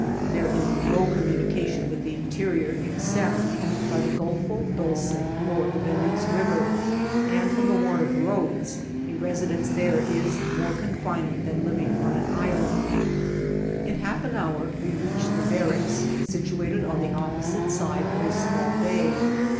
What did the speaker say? There is no communication with the interior except by the Golfo Dolce or the Balize River ; and, from the want of roads, a residence there is more con fining than living on an island. In half an hour we reached the barracks, situated on the opposite side of a small bay.